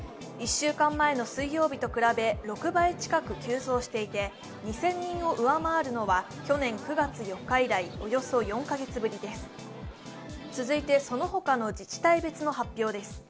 １週間前の水曜日と比べ６倍近く増えていて、２０００人を上回るのは去年９月４日以来およそ４カ月ぶりです。